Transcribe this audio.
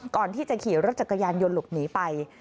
ก่อนที่จะขี่รถจักรยานยนต์หลบหนีไป